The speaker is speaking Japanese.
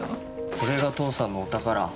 これが父さんのお宝。